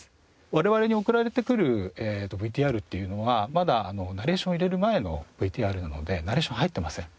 我々に送られてくるＶＴＲっていうのはまだナレーションを入れる前のＶＴＲなのでナレーション入ってません。